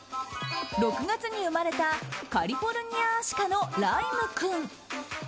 ６月に生まれたカリフォルニアアシカのライム君。